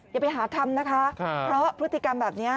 อย่าไปหาทำนะคะเพราะพฤติกรรมแบบนี้